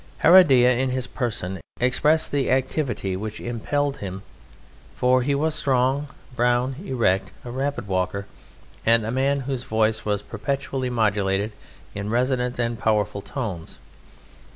Heredia in his person expressed the activity which impelled him, for he was strong, brown, erect, a rapid walker, and a man whose voice was perpetually modulated in resonant and powerful tones.